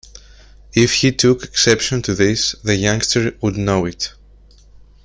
If he took exception to this, the youngster would know it.